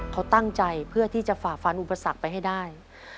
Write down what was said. เขาตั้งใจเพื่อที่จะฝ่าฟันอุปสรรคไปให้ได้